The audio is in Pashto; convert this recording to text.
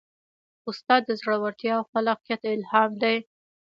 استاد د زړورتیا او خلاقیت الهام دی.